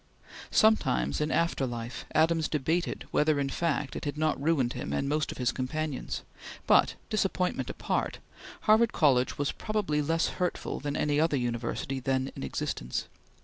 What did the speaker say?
Sometimes in after life, Adams debated whether in fact it had not ruined him and most of his companions, but, disappointment apart, Harvard College was probably less hurtful than any other university then in existence.